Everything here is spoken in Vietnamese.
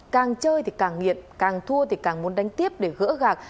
càng chơi thì càng nghiện càng thua thì càng muốn đánh tiếp để gỡ gạc